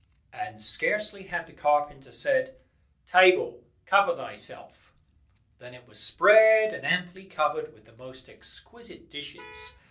And scarcely had the carpenter said, "Table, cover thyself," than it was spread and amply covered with the most exquisite dishes.